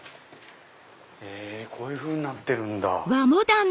へぇこういうふうになってるんだ。